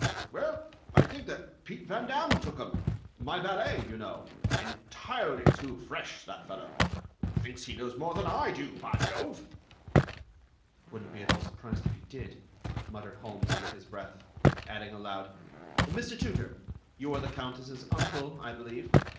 "Well, I think that Pete Van Damm took 'em, my valet, you know. Entirely too fresh, that fellow. Thinks he knows more than I do, bah Jove!" "Wouldn't be at all surprised if he did," muttered Holmes under his breath, adding aloud: "Mr. Tooter, you are the Countess's uncle, I believe.